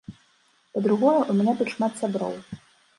Па-другое ў мяне тут шмат сяброў.